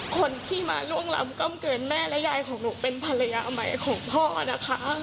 คนที่มาล่วงล้ำกล้ำเกินแม่และยายของหนูเป็นภรรยาใหม่ของพ่อนะคะ